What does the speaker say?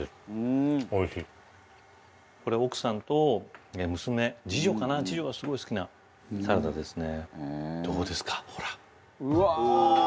これ奥さんと娘次女かな次女がすごい好きなサラダですね。